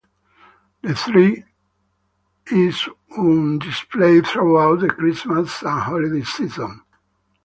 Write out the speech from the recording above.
The tree is on display throughout the Christmas and holiday season.